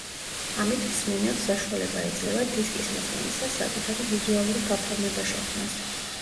ამით მსმენელს საშუალება ეძლევა, დისკის მოსმენისას საკუთარი ვიზუალური გაფორმება შექმნას.